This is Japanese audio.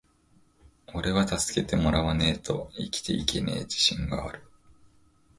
｢おれは助けてもらわねェと生きていけねェ自信がある!!!｣